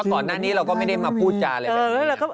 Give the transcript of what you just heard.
แต่ก่อนหน้านี้เราก็ไม่ได้มาพูดจา